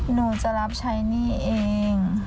หนูจะรับใช้หนี้เอง